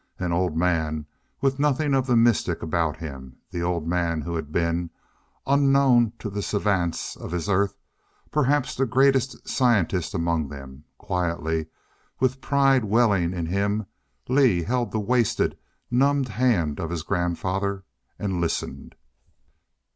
An old man, with nothing of the mystic about him an old man who had been unknown to the savants of his Earth perhaps the greatest scientist among them. Quietly, with pride welling in him, Lee held the wasted, numbed hand of his grandfather and listened....